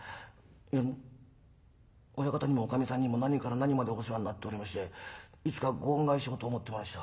いやあの親方にもおかみさんにも何から何までお世話になっておりましていつかご恩返しをと思ってました。